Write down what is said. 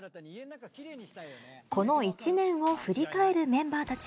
この１年を振り返るメンバーたち。